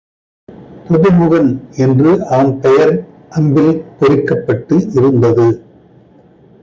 பதுமுகன் என்று அவன் பெயர் அம்பில் பொறிக்கப்பட்டு இருந்தது.